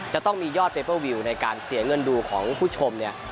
จะต้องมียอดเปเปอร์วิวในการเสียเงินดูของผู้ชมเนี่ย